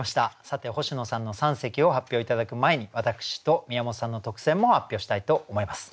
さて星野さんの三席を発表頂く前に私と宮本さんの特選も発表したいと思います。